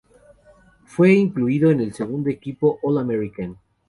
En fue incluido en el segundo equipo All-American.